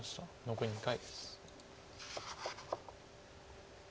残り２回です。